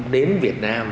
đến việt nam